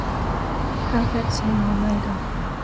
HOW BETSEY AND I MADE UP.